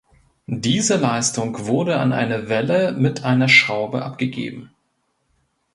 Diese Leistung wurde an eine Welle mit einer Schraube abgegeben.